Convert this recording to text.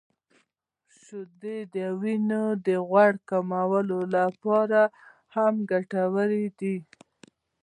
• شیدې د وینې د غوړ کمولو لپاره هم ګټورې دي.